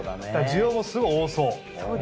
需要もすごい多そう。